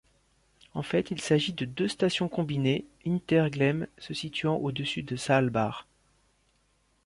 En fait il s'agit de deux stations combinées, Hinterglemm se situant au-dessus de Saalbach.